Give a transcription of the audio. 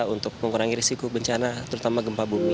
untuk mengurangi risiko bencana terutama gempa bumi